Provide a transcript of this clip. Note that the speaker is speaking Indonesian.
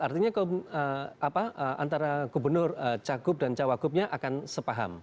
artinya antara gubernur cagup dan cawagupnya akan sepaham